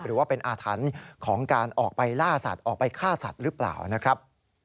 หรือว่าเป็นอาถรรพ์ของการออกไปล่าสัตว์ออกไปฆ่าสัตว์หรือเปล่านะครับ